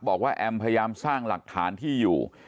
แอมพยายามสร้างหลักฐานที่อยู่